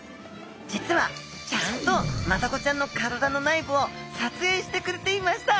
実はちゃんとマダコちゃんの体の内部を撮影してくれていました。